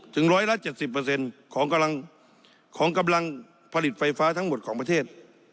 ถึงระดับ๑๗๐เปอร์เซ็นต์ของกำลังผลิตไฟฟ้าทั้งหมดของประเทศ